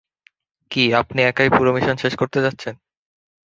কী, আপনি একাই পুরো মিশন শেষ করতে যাচ্ছেন?